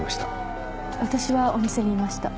私はお店にいました。